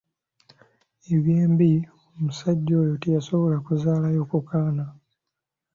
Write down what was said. Eby'embi omusajja oyo teyasobola kuzaalayo ku kaana,